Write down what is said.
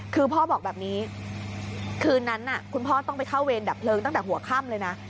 คือพ่อบอกแบบนี้คืนนั้นคุณพ่อต้องไปเข้าเวรดับเพลิงตั้งแต่หัวค่ำเลยนะ